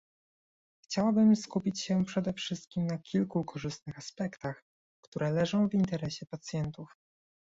Chciałabym skupić się przede wszystkim na kilku korzystnych aspektach, które leżą w interesie pacjentów